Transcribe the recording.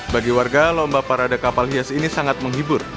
bagi warga lomba parade kapal hias ini sangat menghibur